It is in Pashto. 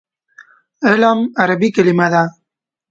علم عربي کلمه ده.